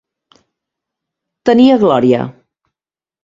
Tenir a glòria.